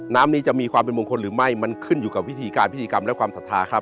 น้ำนี้จะมีความเป็นมงคลหรือไม่มันขึ้นอยู่กับวิธีการพิธีกรรมและความศรัทธาครับ